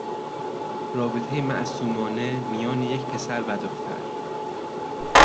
رابطهی معصومانه میان یک پسر و دختر